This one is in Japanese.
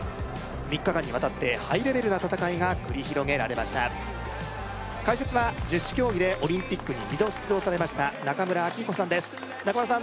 ３日間にわたってハイレベルな戦いが繰り広げられました解説は１０種競技でオリンピックに２度出場されました中村明彦さんです中村さん